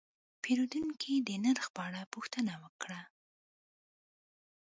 پیرودونکی د نرخ په اړه پوښتنه وکړه.